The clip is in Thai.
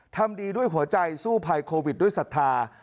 ทำดีด้วยหัวใจสู้ภัยโควิดด้วยศรัทธา